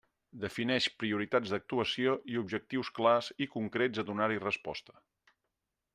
Defineix prioritats d'actuació i objectius clars i concrets a donar-hi resposta.